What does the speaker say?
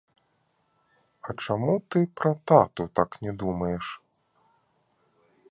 А чаму ты пра тату так не думаеш?